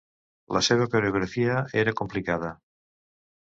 La seva coreografia era complicada.